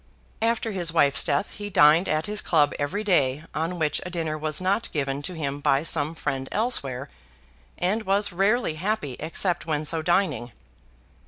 After his wife's death he dined at his club every day on which a dinner was not given to him by some friend elsewhere, and was rarely happy except when so dining.